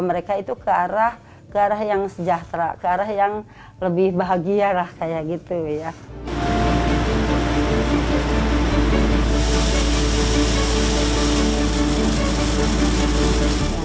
mereka itu ke arah ke arah yang sejahtera ke arah yang lebih bahagia lah kayak gitu ya